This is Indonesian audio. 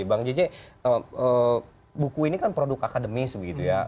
bang jj buku ini kan produk akademis begitu ya